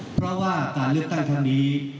เพราะว่าการเลือกตั้งครั้งนี้